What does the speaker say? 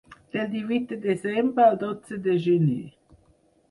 Del divuit de desembre al dotze de gener.